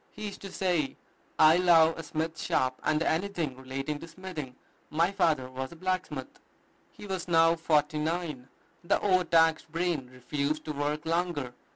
He used to say, "I love a smith shop, and anything relating to smithing. My father was a blacksmith." He was now forty nine. The overtaxed brain refused to work longer.